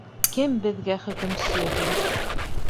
— Кем беҙгә хөкөмсө?